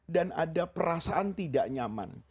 dan ada perasaan tidak nyaman